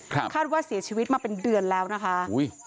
คาดว่าเสียชีวิตมาเป็นเดือนแล้วนะคะอุ้ย